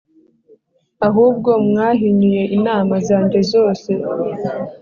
Ahubwo mwahinyuye inama zanjye zose